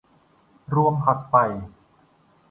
รวมหักไป